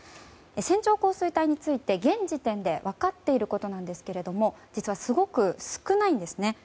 線状降水帯について、現時点で分かっていることなんですが実は、すごく少ないんですね。